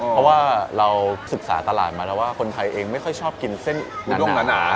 เพราะว่าเราศึกษาตลาดมาแล้วว่าคนไทยเองไม่ค่อยชอบกินเส้นด้งหนา